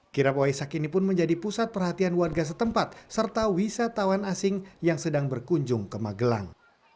kirap waisak ini pun menjadi pusat perhatian warga setempat serta wisatawan asing yang sedang berkunjung ke magelang